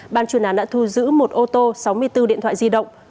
ban chuyên án đã thu giữ một ô tô sáu mươi bốn điện thoại di động